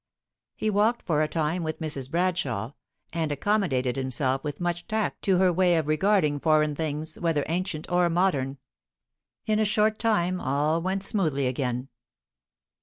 He walked for a time with Mrs. Bradshaw, and accommodated himself with much tact to her way of regarding foreign things, whether ancient or modern. In a short time all went smoothly again.